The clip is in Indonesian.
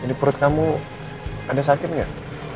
jadi perut kamu ada sakit gak